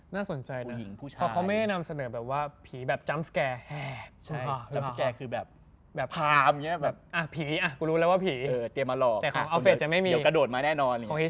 เตรียมมาหลอกที่จะกระโดดมาแน่นอน